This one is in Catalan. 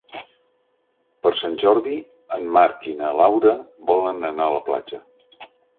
Per Sant Jordi en Marc i na Laura volen anar a la platja.